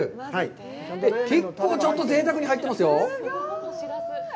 結構ぜいたくに入ってますよ。